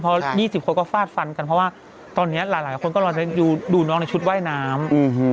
เพราะ๒๐คนก็ฟาดฟันกันเพราะว่าตอนนี้หลายคนก็รอจะดูน้องในชุดว่ายน้ำ